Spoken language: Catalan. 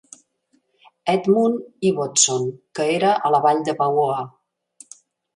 Edmund Ibbotson, que era a la vall de Pauoa.